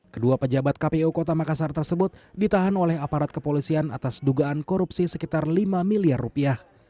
kedua pejabat kpu kota makassar tersebut ditahan oleh aparat kepolisian atas dugaan korupsi sekitar lima miliar rupiah